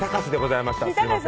すいません